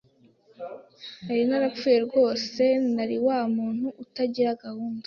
nari narapfuye rwose nari wa muntu utagira gahunda